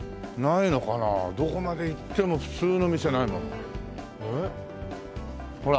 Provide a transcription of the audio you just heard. どこまで行っても普通の店ないもんね。